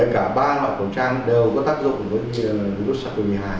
cả ba loại khẩu trang đều có tác dụng với virus sars cov hai